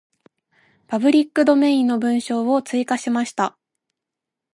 パブリックドメインの文章を追加しました。